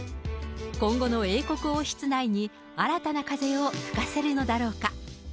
今後の英国王室内に新たな風を吹かせるのだろうか。